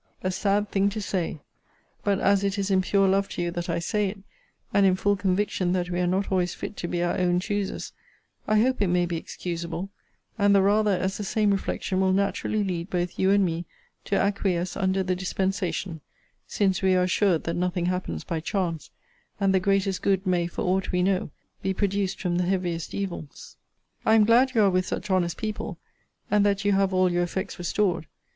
A sad thing to say! But as it is in pure love to you that I say it, and in full conviction that we are not always fit to be our own choosers, I hope it may be excusable; and the rather, as the same reflection will naturally lead both you and me to acquiesce under the dispensation; since we are assured that nothing happens by chance; and the greatest good may, for aught we know, be produced from the heaviest evils. I am glad you are with such honest people; and that you have all your effects restored.